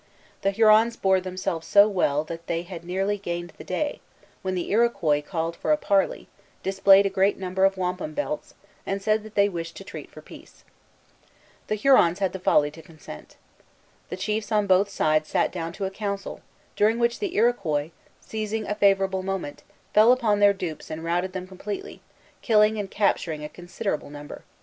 The Hurons bore themselves so well that they had nearly gained the day, when the Iroquois called for a parley, displayed a great number of wampum belts, and said that they wished to treat for peace. The Hurons had the folly to consent. The chiefs on both sides sat down to a council, during which the Iroquois, seizing a favorable moment, fell upon their dupes and routed them completely, killing and capturing a considerable number.